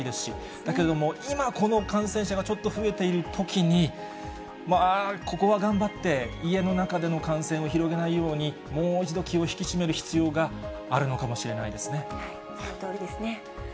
だけども、今、この感染者がちょっと増えているときに、ここは頑張って、家の中での感染を広げないように、もう一度気を引き締める必要があそのとおりですね。